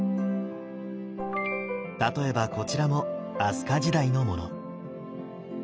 例えばこちらも飛鳥時代のもの。